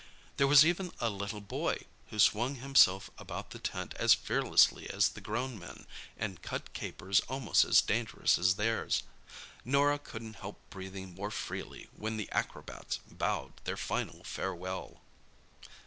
There was even a little boy who swung himself about the tent as fearlessly as the grown men, and cut capers almost as dangerous as theirs. Norah couldn't help breathing more freely when the acrobats bowed their final farewell.